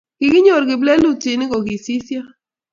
kinyor kiplelutinik ko kisisyo